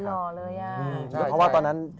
เล่นหล่อเลย